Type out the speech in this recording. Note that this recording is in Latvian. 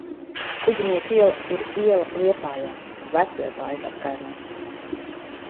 Kuģinieku iela ir iela Liepājā, Vecliepājas apkaimē.